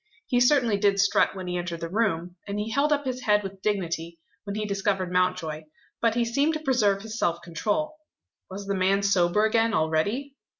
He certainly did strut when he entered the room; and he held up his head with dignity, when he discovered Mountjoy. But he seemed to preserve his self control. Was the man sober again already?